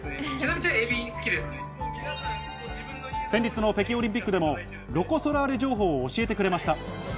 先日の北京オリンピックでもロコ・ソラーレ情報を教えてくれました。